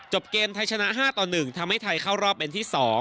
เกมไทยชนะ๕ต่อ๑ทำให้ไทยเข้ารอบเป็นที่๒